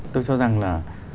tôi cho rằng là